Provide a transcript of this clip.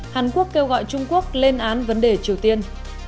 hàn quốc kêu gọi trung quốc lên án vấn đề triều tiên